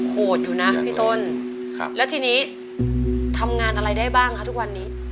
โหดอยู่นะพี่ต้นครับแล้วทีนี้ทำงานอะไรได้บ้างคะทุกวันนี้